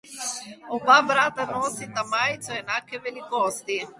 Oba brata nosita majico enake velikosti.